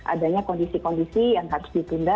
adanya kondisi kondisi yang harus ditunda